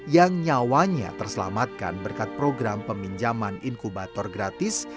yang nyawanya terselamatkan berkat program peminjaman inkubator gratis